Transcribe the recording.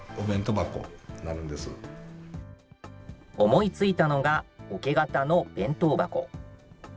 思いついたのが、おけ型の弁当箱。